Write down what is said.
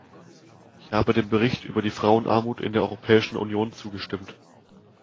Ich habe dem Bericht über die Frauenarmut in der Europäischen Union zugestimmt.